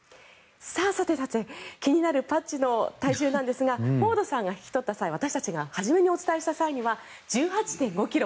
さてさて、気になるパッチの体重なんですがフォードさんが引き取った際私たちが初めにお伝えした際には１８．５ｋｇ。